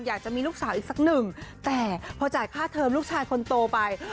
อยากจะมีลูกสาวอีกสักหนึ่งแต่พอจ่ายค่าเทอมลูกชายคนโตไป